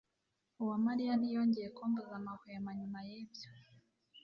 Uwamariya ntiyongeye kumbuza amahwemo nyuma yibyo.